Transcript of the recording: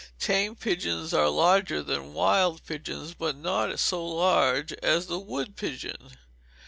Tame pigeons are larger than wild pigeons, but not so large as the wood pigeon.